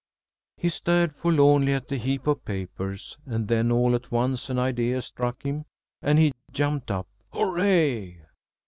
He stared forlornly at the heap of papers, and then all at once an idea struck him and he jumped up. "Hurrah!"